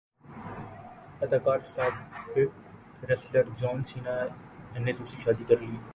اداکار سابق wrestler John Cena نے دوسری شادی کرلی